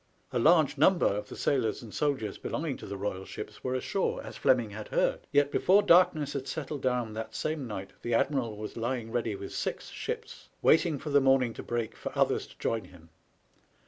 A large number of the sailors and soldiers belonging to the Royal ships were ashore, as Fleming had heard ; yet before darkness had settled down that same night the admiral was lying ready with six ships, waiting for the morning to break for others to join him.